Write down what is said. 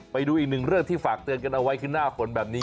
ไปดูอีกหนึ่งเรื่องที่ฝากเตือนกันเอาไว้คือหน้าฝนแบบนี้